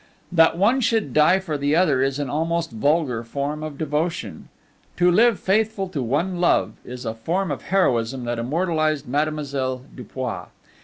That one should die for the other is an almost vulgar form of devotion. To live faithful to one love is a form of heroism that immortalized Mademoiselle Dupuis.